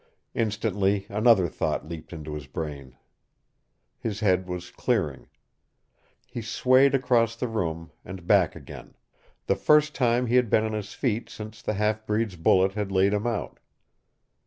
Instantly another thought leaped into his brain. His head was clearing. He swayed across the room and back again, the first time he had been on his feet since the half breed's bullet had laid him out.